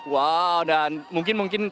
wow dan mungkin mungkin